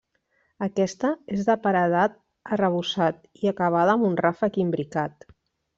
Aquesta és de paredat arrebossat i acabada amb un ràfec imbricat.